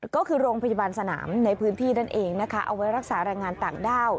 ก็คือโรงพยาบาลสนามในพื้นที่นั่นเองนะคะเอาไว้รักษาแรงงานต่างด้าว